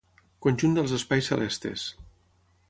Conjunt dels espais celestes.